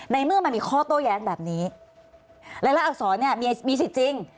เมื่อมันมีข้อโต้แย้งแบบนี้รายละอักษรเนี่ยมีสิทธิ์จริง